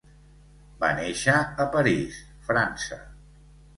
Va néixer a París, França.